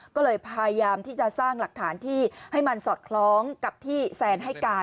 ก็เลยพยายามที่จะสร้างหลักฐานที่ให้มันสอดคล้องกับที่แซนให้การ